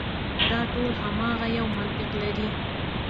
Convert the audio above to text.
دا ټول هماغه یو منطق لري.